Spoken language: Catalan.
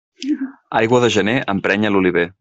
Aigua de gener emprenya l'oliver.